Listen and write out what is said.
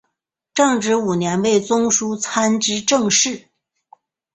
至正五年为中书参知政事。